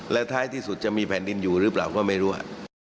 และท้ายที่สุดจะมีแผ่นดินอยู่หรือเปล่าก็ไม่รู้